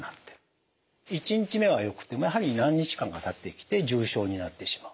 １日目はよくてもやはり何日間かたってきて重症になってしまう。